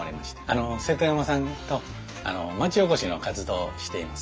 あの瀬戸山さんと町おこしの活動をしています。